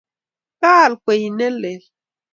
kaal kweyie ne lel.